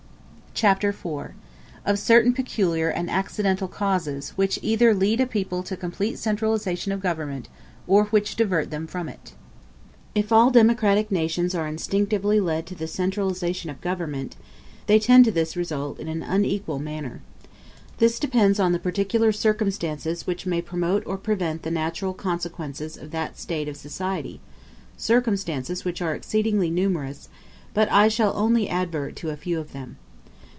*c [Footnote c: See Appendix X.] Chapter IV: Of Certain Peculiar And Accidental Causes Which Either Lead A People To Complete Centralization Of Government, Or Which Divert Them From It If all democratic nations are instinctively led to the centralization of government, they tend to this result in an unequal manner. This depends on the particular circumstances which may promote or prevent the natural consequences of that state of society circumstances which are exceedingly numerous; but I shall only advert to a few of them.